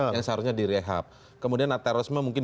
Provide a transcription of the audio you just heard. yang seharusnya direhab kemudian terorisme mungkin